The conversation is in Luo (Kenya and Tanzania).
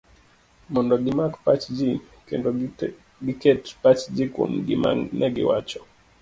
mondo gimak pachji, kendo giket pachgi kuom gima negiwacho